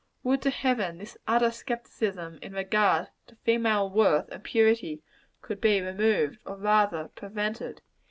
Would to Heaven this utter skepticism in regard to female worth and purity could be removed; or rather prevented.